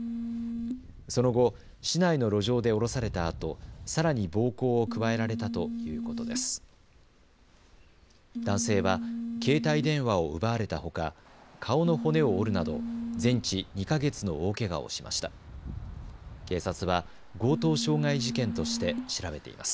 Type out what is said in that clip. その後、市内の路上で降ろされたあと、さらに暴行を加えられたということです。